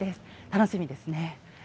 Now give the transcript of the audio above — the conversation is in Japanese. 楽しみですね。